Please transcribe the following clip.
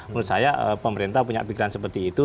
menurut saya pemerintah punya pikiran seperti itu